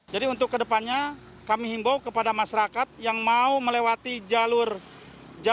jadi untuk ke depannya kami himbau kepada masyarakat yang mau melewati jalur tikus disini dihimbau sebaiknya putar jalan